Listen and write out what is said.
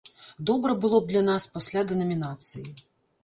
Добра было б для нас пасля дэнамінацыі!